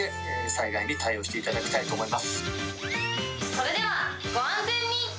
それでは、ご安全に。